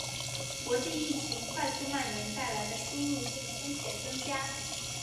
国际疫情快速蔓延带来的输入性风险增加